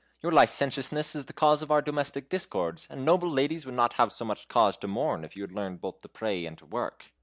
Your licentiousness is the cause of our domestic discords, and noble ladies would not have so much cause to mourn if you had learned both to pray and to work."